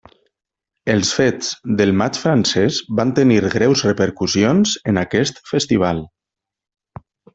Els fets del Maig francès van tenir greus repercussions en aquest festival.